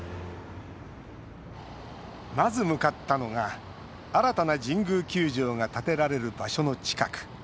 まず向かったのが新たな神宮球場が建てられる場所の近く。